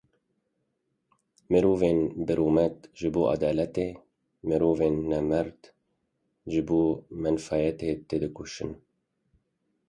Mirovên birûmet ji bo edaletê, mirovên nemerd ji bo menfaetê têdikoşin.